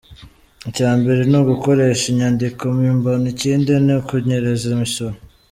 Icya mbere ni ugukoresha inyandiko mpimbano ikindi ni ukunyereza imisoro.